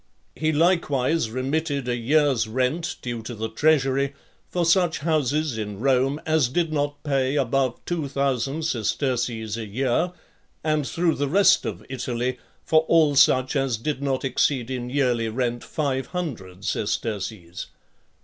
He likewise remitted a year's rent due to the treasury, for such houses in Rome as did not pay above two thousand sesterces a year; and through the rest of Italy, for all such as did not exceed in yearly rent five hundred sesterces.